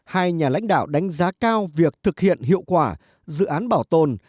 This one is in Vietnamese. hai nhà lãnh đạo đánh giá cao việc thực hiện hiệu quả dự án bảo tồn